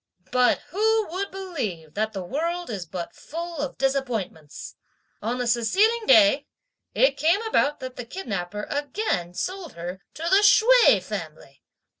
"But who would believe that the world is but full of disappointments! On the succeeding day, it came about that the kidnapper again sold her to the Hsüeh family!